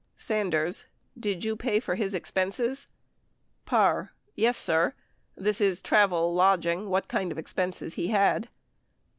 ...Sanders. Did you pay for his expenses ? Parr. Yes, sir. ... This is travel, lodging, what kind of expenses he had.